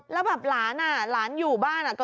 แล้วแบบหลานอ่ะหลานอยู่บ้าน